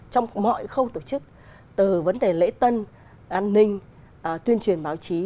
trong mọi khâu tổ chức từ vấn đề lễ tân an ninh tuyên truyền báo chí